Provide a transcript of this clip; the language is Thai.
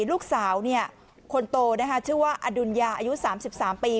ลูกสาวคนโตชื่อว่าอดุญญาอายุ๓๓ปี